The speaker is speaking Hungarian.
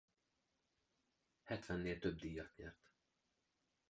Hetvennél több díjat nyert.